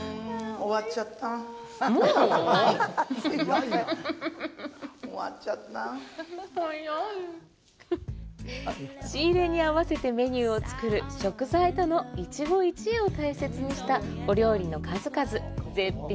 終わっちゃった仕入れに合わせてメニューを作る食材との一期一会を大切にしたお料理の数々絶品でした